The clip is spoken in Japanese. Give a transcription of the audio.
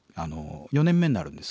４年目になるんです